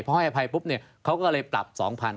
พอให้อภัยปุ๊บเนี่ยเขาก็เลยปรับ๒๐๐๐